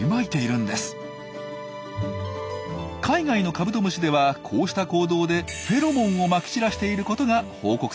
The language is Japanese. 海外のカブトムシではこうした行動でフェロモンをまき散らしていることが報告されています。